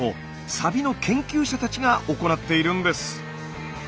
サビの研究者たちが行っているんです。